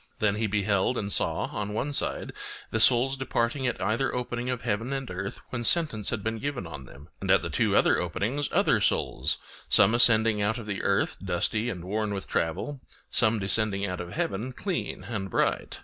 Then he beheld and saw on one side the souls departing at either opening of heaven and earth when sentence had been given on them; and at the two other openings other souls, some ascending out of the earth dusty and worn with travel, some descending out of heaven clean and bright.